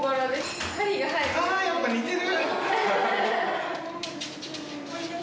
やっぱ似てる。